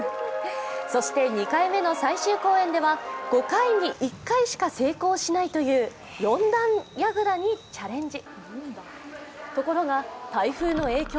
そして、２回目の最終公演では５回に１回しか成功しないという４段やぐらにチャレンジ。